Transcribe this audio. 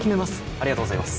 ありがとうございます